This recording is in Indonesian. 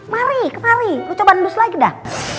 mari kemari lu coba nendus lagi dah